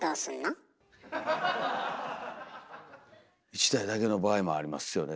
１台だけの場合もありますよね